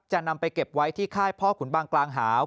นำไปเก็บไว้ที่ค่ายพ่อขุนบางกลางหาว